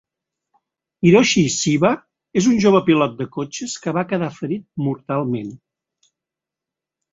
Hiroshi Shiba és un jove pilot de cotxes que va quedar ferit mortalment.